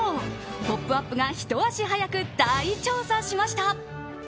「ポップＵＰ！」がひと足早く大調査しました。